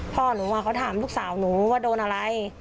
พ่อหนูเขาถามลูกสาวหนูว่าโดนอะไร